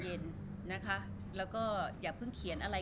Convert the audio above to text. รูปนั้นผมก็เป็นคนถ่ายเองเคลียร์กับเรา